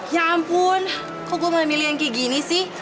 ya ampun kok gue mau milih yang kayak gini sih